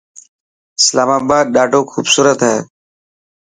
اسلاما آباد ڏاڌو خوبصورت هي.